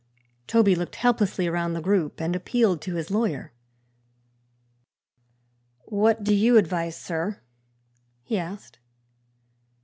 Toby looked helplessly around the group and appealed to his lawyer. "What do you advise, sir?" he asked.